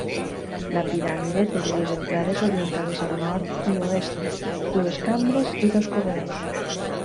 La piràmide té dues entrades orientades al nord i oest, dues cambres i dos corredors.